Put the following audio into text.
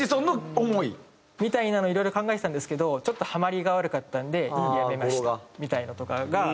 みたいなのをいろいろ考えてたんですけどちょっとハマりが悪かったんでやめましたみたいなのとかが。